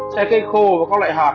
chay cây khô và các loại hạt